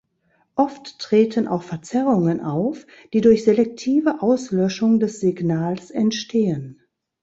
Oft treten auch Verzerrungen auf, die durch selektive Auslöschung des Signals entstehen.